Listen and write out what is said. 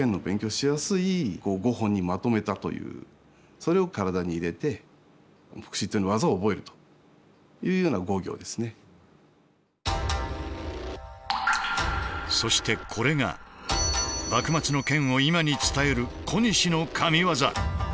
それを体に入れてそしてこれが幕末の剣を今に伝える小西の神技。